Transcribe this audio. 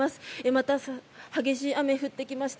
また激しい雨が降ってきました。